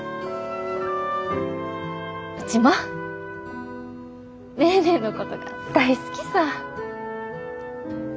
うちもネーネーのことが大好きさ。